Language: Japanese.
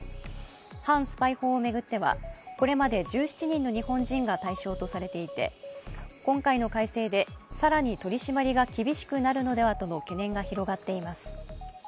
反スパイ法を巡ってはこれまで１７人の日本人が対象とされていて今回の改正で更に取り締まりが厳しくなるのではとの懸念が広がっています。